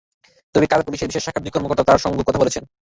তবে কাল পুলিশের বিশেষ শাখার দুই কর্মকর্তা তাঁর সঙ্গে কথা বলেছেন।